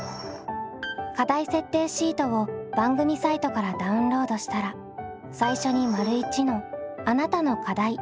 課題設定シートを番組サイトからダウンロードしたら最初に①の「あなたの課題」を記入します。